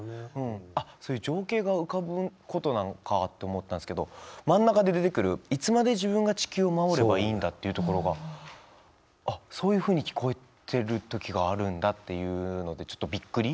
あっそういう情景が浮かぶことなのかあって思ったんですけど真ん中で出てくる「いつまで自分が地球を守ればいいんだ」っていうところがあっそういうふうに聞こえてる時があるんだっていうのでちょっとびっくり。